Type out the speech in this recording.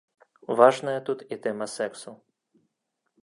Важная тут і тэма сэксу.